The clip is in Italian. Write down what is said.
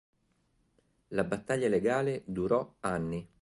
La battaglia legale durò anni.